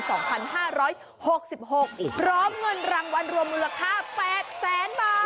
ร้องเงินรางวัลรวมมูลค่า๘๐๐๐๐๐บาท